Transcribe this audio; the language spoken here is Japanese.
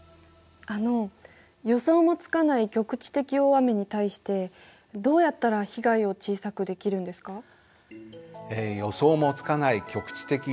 あの予想もつかない局地的大雨に対してどうやったら被害を小さくできるんですか？